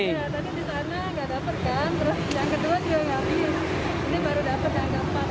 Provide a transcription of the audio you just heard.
iya tapi di sana nggak dapat kan